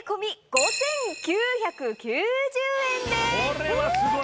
これはすごい！